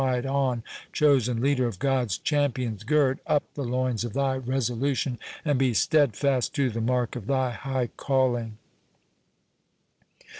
ride on, chosen leader of God's champions! gird up the loins of thy resolution, and be steadfast to the mark of thy high calling."